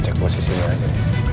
cek posisi dia aja